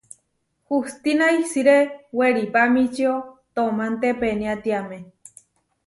Hustína isiré weripamičío toománte peniátiame.